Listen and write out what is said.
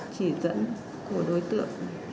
chỉ dẫn của đối tượng